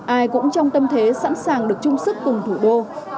ai cũng trong tâm thế sẵn sàng được chung sức cùng thủ đô